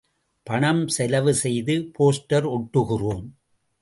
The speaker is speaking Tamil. பணம் செலவு செய்து போஸ்டர் ஒட்டுகிறோம்.